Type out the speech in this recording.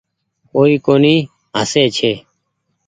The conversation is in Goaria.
ڪوئي ڪونيٚ هسئي ڇي۔